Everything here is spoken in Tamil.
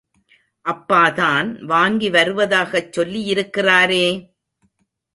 அப்பாதான் வாங்கி வருவதாகச் சொல்லியிருக்கிறாரே!